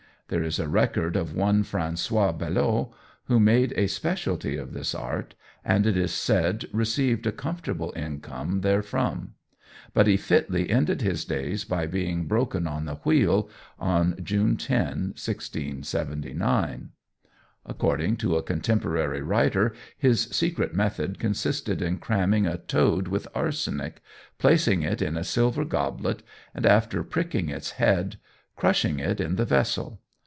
There is record of one François Belot who made a speciality of this art, and, it is said, received a comfortable income therefrom; but he fitly ended his days by being broken on the wheel on June 10, 1679. According to a contemporary writer, his secret method consisted in cramming a toad with arsenic, placing it in a silver goblet, and, after pricking its head, crushing it in the vessel.